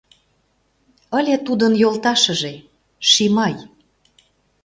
Ыле тудын йолташыже — Шимай...